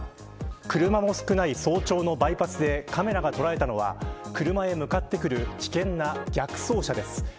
車も少ない早朝のバイパスでカメラが捉えたのは車へ向かってくる危険な逆走車です。